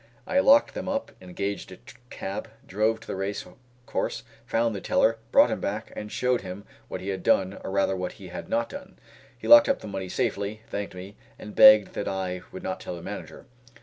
I locked them up, engaged a cab, drove to the racecourse, found the teller, brought him back, and showed him what he had done or rather what he had not done. He locked up the money safely, thanked me, and begged that I would not tell the manager.